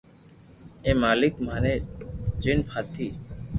ھي مالڪ ماري جن پھاتي